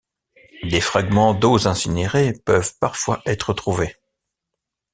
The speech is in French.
Des fragments d'os incinérés peuvent parfois être trouvés.